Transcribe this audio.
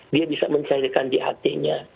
dia bisa mencairkan dht nya